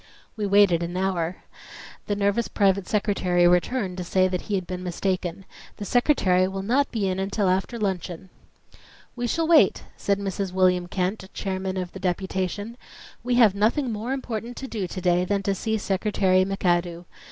We waited an hour. The nervous private secretary returned to say that he had been mistaken. "The Secretary will not be in until after luncheon." "We shall wait," said Mrs. William Kent, chairman of the deputation. "We have nothing more important to do to day than to see Secretary McAdoo.